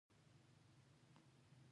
د چای ګل د ستړیا لپاره وکاروئ